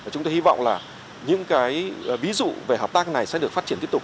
chúng tôi hy vọng là những cái ví dụ về hợp tác này sẽ được phát triển tiếp tục